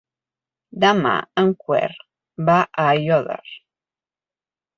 Demà en Quer va a Aiòder.